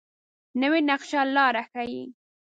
نوې نقشه لاره ښيي